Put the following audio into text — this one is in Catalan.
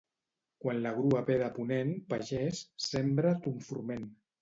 Quan la grua ve de ponent, pagès, sembra ton forment.